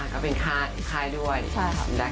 ก็เป็นค่ายด้วย